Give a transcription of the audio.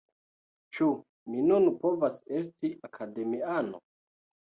Ĉu mi nun povas esti Akademiano?